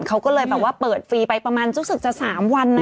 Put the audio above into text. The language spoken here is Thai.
เขาก็เลยแบบว่าเปิดฟรีไปประมาณรู้สึกจะ๓วันนะ